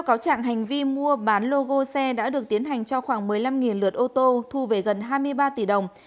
cáo trạng hành vi mua bán logo xe đã được tiến hành cho khoảng một mươi năm lượt ô tô thu về gần hai mươi ba tỷ đồng